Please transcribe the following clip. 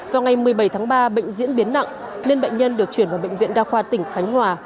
vào ngày một mươi bảy tháng ba bệnh diễn biến nặng nên bệnh nhân được chuyển vào bệnh viện đa khoa tỉnh khánh hòa